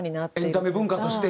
エンタメ文化として。